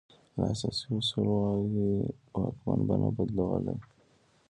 که اساسي اصول وای، واکمن به نه بدلولای.